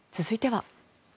続いては。